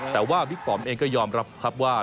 แต่ว่าบิ๊กปอมเองก็ยอมรับครับว่า